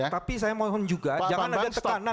tapi saya mohon juga jangan ada tekanan